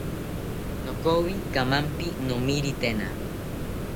Nokoyi kamanpi nomiritena